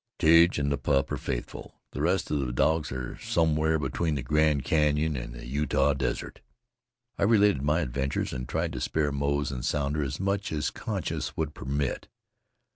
"Tige and the pup are faithful. The rest of the dogs are somewhere between the Grand Canyon and the Utah desert." I related my adventures, and tried to spare Moze and Sounder as much as conscience would permit.